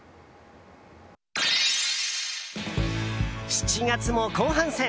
７月も後半戦。